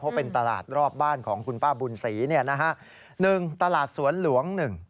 เพราะเป็นตลาดรอบบ้านของคุณป้าบุญศรี๑ตลาดสวนหลวง๑